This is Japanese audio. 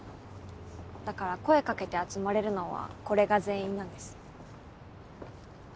だから声かけて集まれるのはこれが全員なんです。